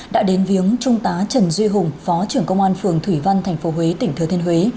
đã đến viếng trung tá trần duy hùng phó trưởng công an phường thủy văn tp huế tỉnh thừa thiên huế